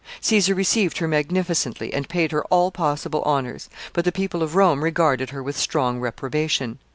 Caesar received her magnificently, and paid her all possible honors; but the people of Rome regarded her with strong reprobation.